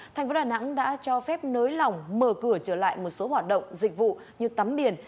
thành phố đà nẵng đã cho phép nới lỏng mở cửa trở lại một số hoạt động dịch vụ như tắm biển